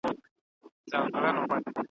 په ایرو کي ګوتي مه وهه اور به پکښې وي `